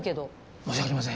申し訳ありません。